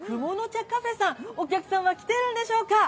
茶カフェさん、お客さんは来てるんでしょうか。